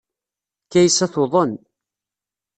Kaysa tuḍen.